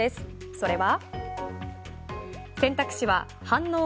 それは？